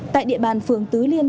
tại địa bàn phường tứ liên